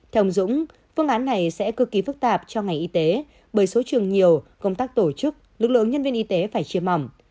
theo ông dũng phương án này sẽ cực kỳ phức tạp cho ngành y tế bởi số trường nhiều công tác tổ chức lực lượng nhân viên y tế phải chia mỏ